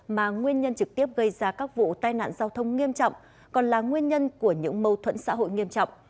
mà nguyên nhân trực tiếp gây ra các vụ tai nạn giao thông nghiêm trọng còn là nguyên nhân của những mâu thuẫn xã hội nghiêm trọng